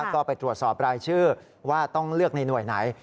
ก็ไปตรวจสอบรายชื่อว่าต้องเลือกในหน่วยไหน